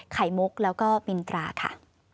ไข่มุกแล้วก็มินตราค่ะ